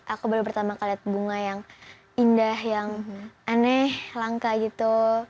aku baru pertama kali lihat bunga yang indah yang aneh langka gitu